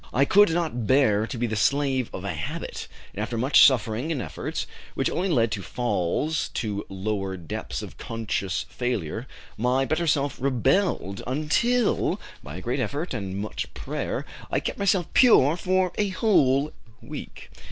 "I could not bear to be the slave of a habit, and after much suffering and efforts, which only led to falls to lower depths of conscious failure, my better self rebelled, until, by a great effort and much prayer, I kept myself pure for a whole week.